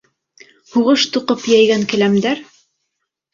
Һуғыш туҡып йәйгән келәмдәр?